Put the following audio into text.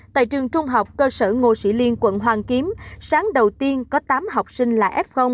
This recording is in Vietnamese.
tại trường trung học cơ sở ngô sĩ liên quận hoàn kiếm sáng đầu tiên có tám học sinh là f